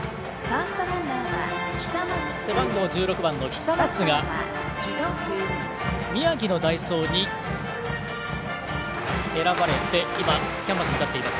背番号１６番の久松が宮城の代走に選ばれて今、キャンバスに立っています。